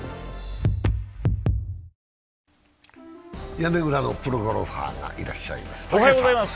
屋根裏のプロゴルファーがいらっしゃいます、小山さん。